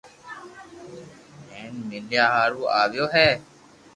ھين مليا ھارون آويو ھي